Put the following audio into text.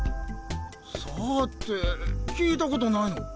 「さあ」って聞いたことないの？